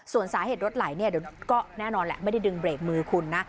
ส่วนสาเหตุรถไหลเนี่ยเดี๋ยวก็แน่นอนแหละไม่ได้ดึงเบรกมือคุณนะ